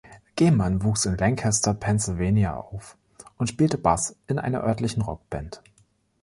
Gehman wuchs in Lancaster, Pennsylvania, auf und spielte Bass in einer örtlichen Rockband.